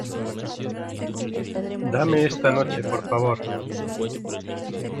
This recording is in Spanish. dame esta noche, por favor.